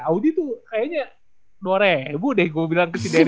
audi tuh kayaknya dua rebuh deh gue bilang ke si daryl